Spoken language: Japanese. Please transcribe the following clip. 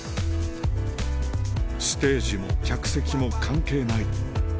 ステージも客席も関係ない